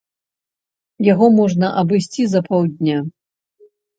Яго можна абысці за паўдня.